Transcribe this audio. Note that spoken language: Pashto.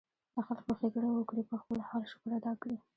د خلکو ښېګړه وکړي ، پۀ خپل حال شکر ادا کړي